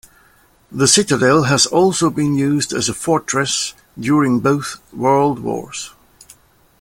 The citadel has also been used as a fortress during both World Wars.